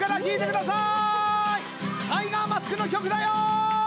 「タイガーマスク」の曲だよ！